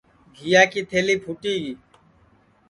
گھیا کی تھلی پُھوٹی گی